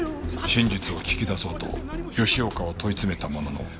真実を聞き出そうと吉岡を問い詰めたものの。